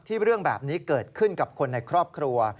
เรื่องแบบนี้เกิดขึ้นกับคนในครอบครัว